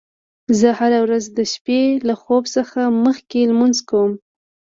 زه هره ورځ د شپې له خوب څخه مخکې لمونځ کوم